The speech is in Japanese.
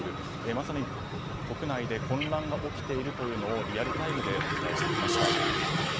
まさに国内で混乱が起きているのをリアルタイムでお伝えしてきました。